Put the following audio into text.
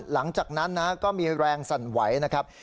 หลังจากนั้นนะก็มีแรงสั่นไหวนะครับ